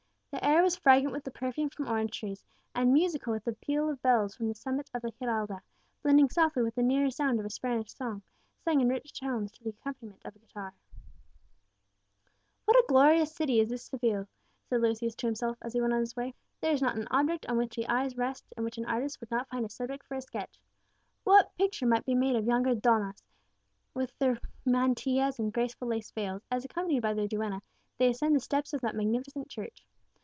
The air was fragrant with the perfume from orange trees, and musical with the peal of bells from the summit of the Giralda, blending softly with the nearer sound of a Spanish song, sung in rich tones to the accompaniment of a guitar. [Illustration: SPANISH SENORAS AND THEIR DUENNA. Page 22.] "What a glorious city is this Seville!" said Lucius to himself as he went on his way. "There is not an object on which the eye rests in which an artist would not find a subject for a sketch. What a picture might be made of yonder donnas, with their mantillas and graceful lace veils, as, accompanied by their duenna, they ascend the steps of that magnificent church!